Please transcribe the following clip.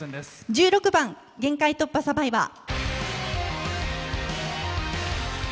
１６番「限界突破×サバイバー」。